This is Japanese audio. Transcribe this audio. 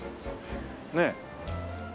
ねえ。